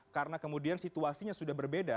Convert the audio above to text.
karena kemudian situasinya sudah berbeda